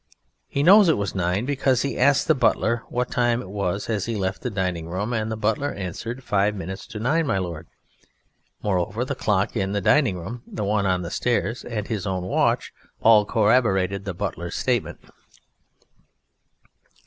He knows it was nine, because he asked the butler what time it was as he left the dining room, and the butler answered "Five minutes to nine, my Lord"; moreover, the clock in the dining room, the one on the stairs and his own watch, all corroborated the butler's statement.